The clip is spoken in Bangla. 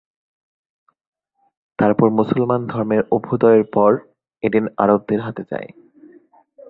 তারপর মুসলমান ধর্মের অভ্যুদয়ের পর এডেন আরবদের হাতে যায়।